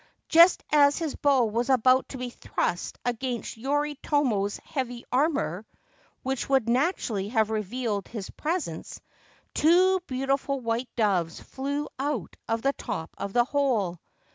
Just as his bow was about to be thrust against Yoritomo's heavy armour (which would naturally have revealed his presence), two beautiful white doves flew out of the top of the hole.